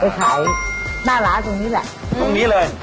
ขายหน้าร้านตรงนี้แหละตรงนี้เลย